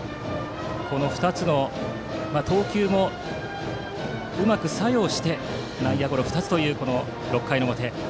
この２つの投球もうまく作用して内野ゴロ２つという６回表。